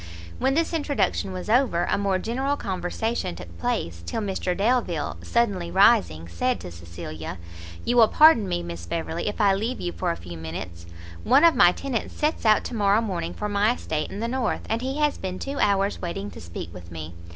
When this introduction was over, a more general conversation took place, till Mr Delvile, suddenly rising, said to Cecilia, "You will pardon me, Miss Beverley, if I leave you for a few minutes; one of my tenants sets out to morrow morning for my estate in the North, and he has been two hours waiting to speak with me.